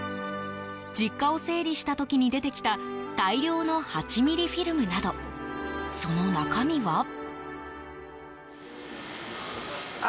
実家を整理した時に出てきた大量の８ミリフィルムなどその中身は？